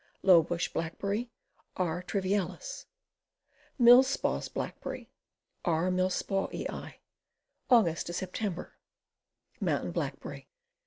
Low Bush Blackberry. R. trivialis. Millspaugh's Blackberry. R. Millspaughii. Aug. Sep. Mountain Blackberry.